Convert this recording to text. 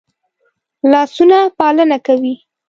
لاسونه پالنه کوي